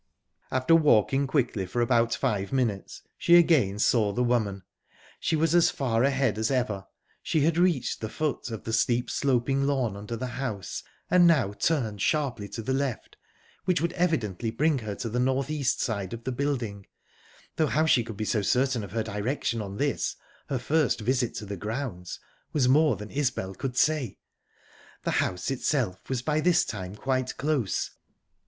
After walking quickly for about five minutes, she again saw the woman. She was as far ahead as ever. She had reached the foot of the steep sloping lawn under the house, and now turned sharply to the left, which would evidently bring her to the north east side of the building though how she could be so certain of her direction on this, her first visit to the grounds, was more than Isbel could say. The house itself was by this time quite close.